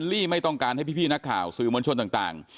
ลี่ไม่ต้องการให้พี่นักข่าวสื่อมวลชนต่าง